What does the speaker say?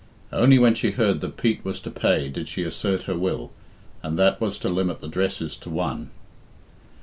Only when she heard that Pete was to pay did she assert her will, and that was to limit the dresses to one.